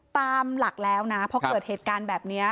ตามหลักแล้วนะพอเกิดเหตุการณ์แบบนี้